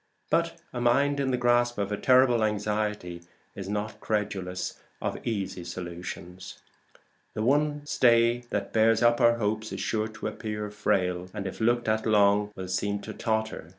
But a mind in the grasp of a terrible anxiety is not credulous of easy solutions. The one stay that bears up our hopes is sure to appear frail, and if looked at long will seem to totter.